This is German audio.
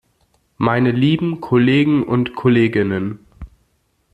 Meine lieben Kollegen und Kolleginnen!